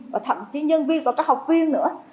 và thậm chí nhân viên và các học viên nữa